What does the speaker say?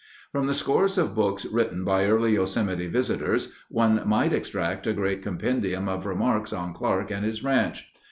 From the scores of books written by early Yosemite visitors, one might extract a great compendium of remarks on Clark and his ranch.